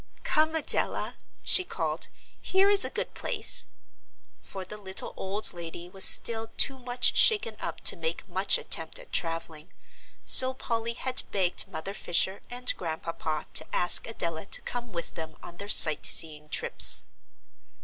"Come, Adela," she called, "here is a good place;" for the little old lady was still too much shaken up to make much attempt at travelling, so Polly had begged Mother Fisher and Grandpapa to ask Adela to come with them on their sightseeing trips.